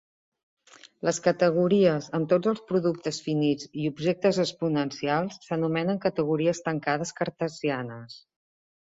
Les categories amb tots els productes finits i objectes exponencials s'anomenen categories tancades cartesianes.